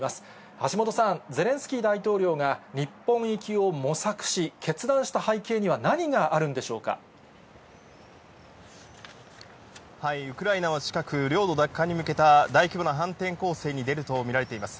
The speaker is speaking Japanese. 橋本さん、ゼレンスキー大統領が日本行きを模索し、決断した背景には、ウクライナは近く、領土奪還に向けた大規模な反転攻勢に出ると見られています。